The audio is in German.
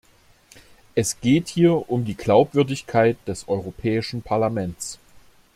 Es geht hier um die Glaubwürdigkeit des Europäischen Parlaments.